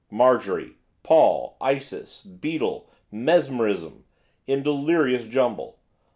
Marjorie, Paul, Isis, beetle, mesmerism, in delirious jumble.